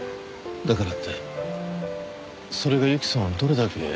だからってそれが侑希さんをどれだけ傷つけたか。